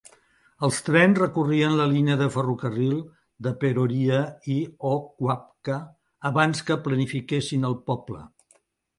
Els trens recorrien la línia de ferrocarril de Peroria i Oquawka abans que planifiquessin el poble.